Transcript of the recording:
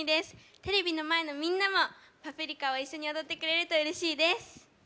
テレビの前のみんなも「パプリカ」を一緒に踊ってくれるとうれしいです！